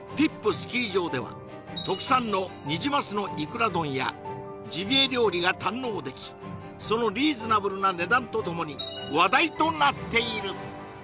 スキー場では特産のニジマスのいくら丼やジビエ料理が堪能できそのリーズナブルな値段とともに話題となっている！